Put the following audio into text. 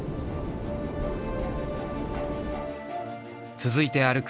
続いて歩く